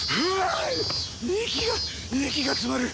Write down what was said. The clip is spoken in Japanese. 息が息が詰まる！